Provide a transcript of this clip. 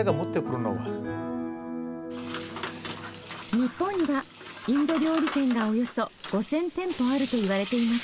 日本にはインド料理店がおよそ５，０００店舗あるといわれています。